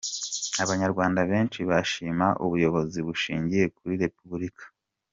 abanyarwanda benshi bashima ubuyobozi bushingiye kuri Repubulika.